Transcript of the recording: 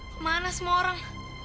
kemana semua orang